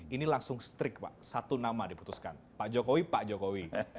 ini langsung strict pak satu nama diputuskan pak jokowi pak jokowi